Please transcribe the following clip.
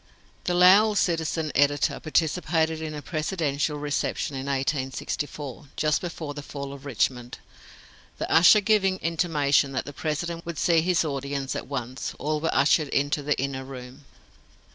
The Lowell Citizen editor participated in a presidential reception in 1864, just before the fall of Richmond. The usher giving intimation that the President would see his audience at once, all were ushered into the inner room.